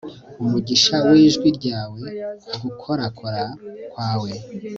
umugisha wijwi ryawe gukorakora kwawe